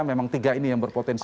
memang tiga ini yang berpotensi